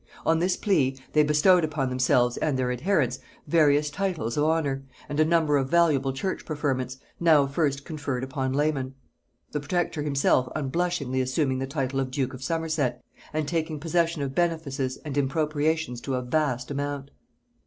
On this plea, they bestowed upon themselves and their adherents various titles of honor, and a number of valuable church preferments, now first conferred upon laymen, the protector himself unblushingly assuming the title of duke of Somerset, and taking possession of benefices and impropriations to a vast amount.